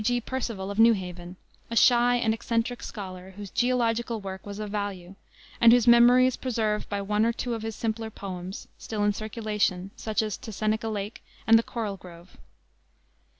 G. Percival of New Haven, a shy and eccentric scholar, whose geological work was of value, and whose memory is preserved by one or two of his simpler poems, still in circulation, such as To Seneca Lake and the Coral Grove.